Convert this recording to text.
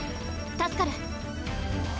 助かる！